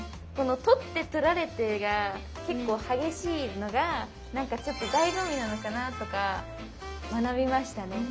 取って取られてが結構激しいのがなんかちょっと醍醐味なのかなとか学びましたね。